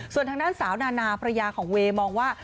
ส่วนทางด้านสาวนานาภรรยาของเวย์มองว่า